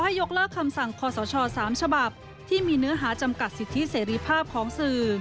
ยกเลิกคำสั่งคอสช๓ฉบับที่มีเนื้อหาจำกัดสิทธิเสรีภาพของสื่อ